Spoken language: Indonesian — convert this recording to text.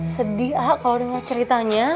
sedih ah kalo denger ceritanya